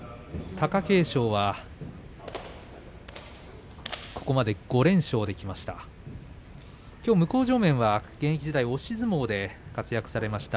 貴景勝は、ここまで５連勝できました。